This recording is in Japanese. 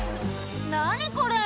「何これ！